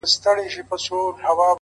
• هغه وویل د خان مېرمن لنګیږي -